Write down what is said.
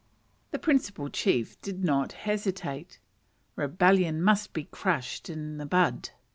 The principal chief did not hesitate: rebellion must be crushed in the bud.